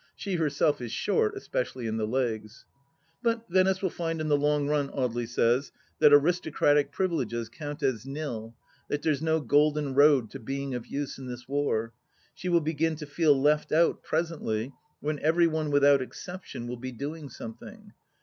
She herself is short, especially in the legs. But Venice will find in the long run, Audely says, that aristocratic privileges count as nil ; that there's no golden road to being of use in this war. ... She will begin to feel left out, presently, when every one, without exception, will be doing something.